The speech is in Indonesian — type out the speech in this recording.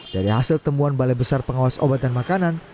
dari hasil temuan balai besar pengawas obat dan makanan